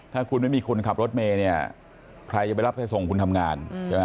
ถ้าคุณไม่มีคุณขับรถเมล่าเนี่ยใครจะไปรับใครส่งคุณทำงาน